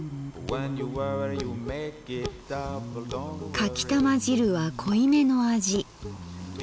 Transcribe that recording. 「かきたま汁は濃い目の味。